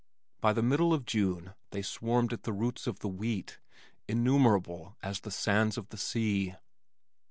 By the middle of June they swarmed at the roots of the wheat innumerable as the sands of the sea.